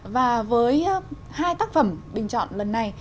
và với hai tác phẩm bình chọn lần này